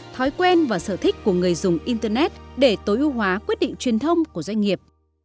thói quen và sở thích của người dùng internet để tối ưu hóa quyết định truyền thông của doanh nghiệp